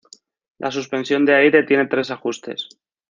La suspensión de aire tiene tres ajustes.